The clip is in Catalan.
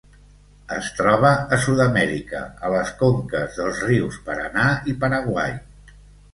Es troba a Sud-amèrica, a les conques dels rius Paranà i Paraguai.